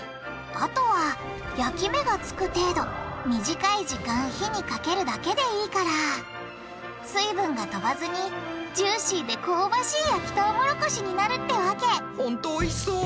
あとは焼き目がつく程度短い時間火にかけるだけでいいから水分が飛ばずにジューシーで香ばしい焼きトウモロコシになるってわけほんとおいしそう！